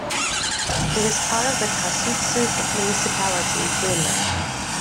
It is part of the Qaasuitsup municipality, Greenland.